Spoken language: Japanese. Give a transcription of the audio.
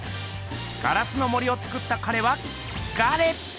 「『ガラスの森』をつくった彼はガレ」。